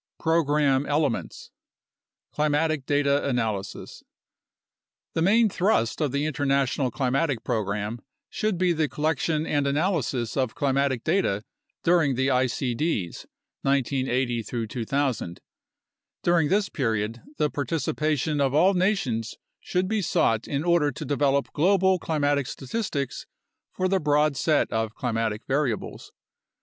Program Elements Climatic Data Analysis The main thrust of the international climatic program should be the collection and analysis of climatic data during the icd's, 1980 2000. During this period, the participation of all nations should be sought in order to develop global climatic statistics for a broad set of climatic variables.